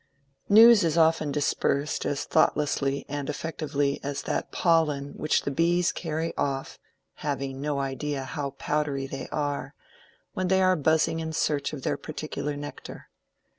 News is often dispersed as thoughtlessly and effectively as that pollen which the bees carry off (having no idea how powdery they are) when they are buzzing in search of their particular nectar.